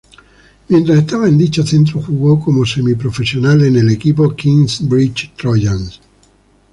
Mientras estaba en dicho centro jugó como semiprofesional en el equipo Kingsbridge Trojans.